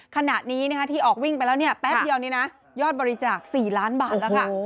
ขณะนี้ที่ออกวิ่งไปแล้วเนี่ยแป๊บเดียวนี้นะยอดบริจาค๔ล้านบาทแล้วค่ะ